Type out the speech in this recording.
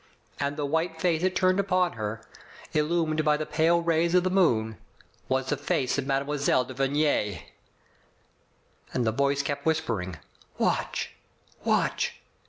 And the white face it turned upon her, illumined by the pale rays of the moon, was the face of Mme. de Vigny. And the voice kept whispering, "Watch, watch